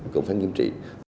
cũng phải nghiêm trị